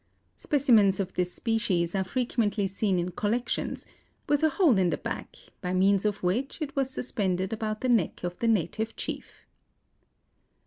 Specimens of this species are frequently seen in collections, with a hole in the back by means of which it was suspended about the neck of the native chief.